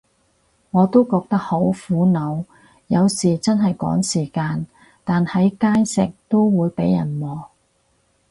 我都覺得好苦惱，有時真係趕時間，但喺街食都會被人望